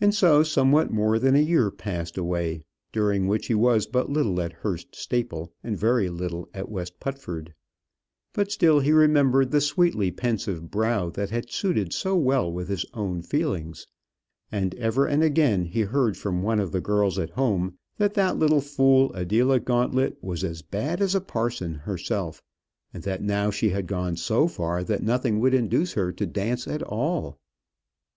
And so somewhat more than a year passed away, during which he was but little at Hurst Staple, and very little at West Putford. But still he remembered the sweetly pensive brow that had suited so well with his own feelings; and ever and again, he heard from one of the girls at home, that that little fool, Adela Gauntlet, was as bad as a parson herself, and that now she had gone so far that nothing would induce her to dance at all.